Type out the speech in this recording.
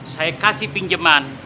saya kasih pinjeman